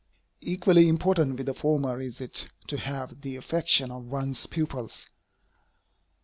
Equally important with the former is it to have the affection of one's pupils.